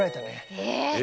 え！